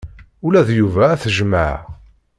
Ula d Yuba ad t-jjmeɣ.